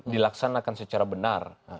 dilaksanakan secara benar